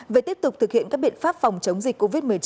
về tiếp tục thực hiện các biện pháp phòng chống dịch covid